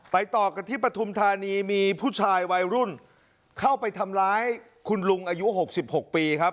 ต่อกันที่ปฐุมธานีมีผู้ชายวัยรุ่นเข้าไปทำร้ายคุณลุงอายุ๖๖ปีครับ